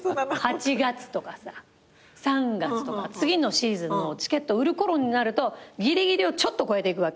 ８月とかさ３月とか次のシーズンのチケット売る頃になるとぎりぎりをちょっと超えていくわけ。